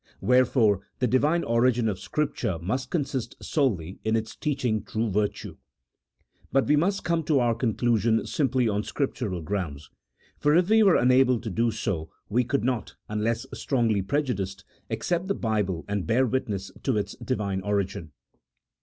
Wherefore the Divine origin of Scripture must consist solely in its teaching true virtue. But we must come to our conclusion simply on Scriptural grounds, for if we were unable to do so we could not, unless strongly pre judiced, accept the Bible and bear witness to its Divine origin.